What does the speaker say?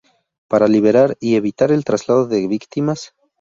Para liberar y evitar el traslado de víctimas.